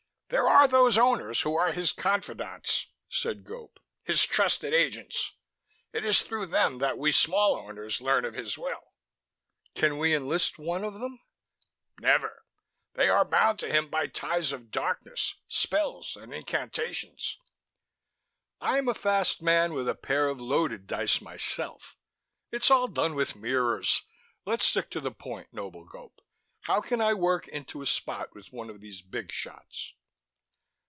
"There are those Owners who are his confidants," said Gope, "his trusted agents. It is through them that we small Owners learn of his will." "Can we enlist one of them?" "Never. They are bound to him by ties of darkness, spells and incantations." "I'm a fast man with a pair of loaded dice myself. It's all done with mirrors. Let's stick to the point, noble Gope. How can I work into a spot with one of these big shots?"